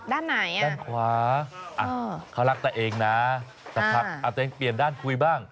ด้านไหนอ่ะด้านขวาเขารักตัวเองนะสักพักอาจจะเปลี่ยนด้านคุยบ้าง